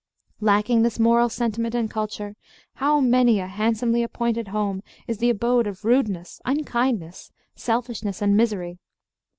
Lacking this moral sentiment and culture, how many a handsomely appointed home is the abode of rudeness, unkindness, selfishness, and misery!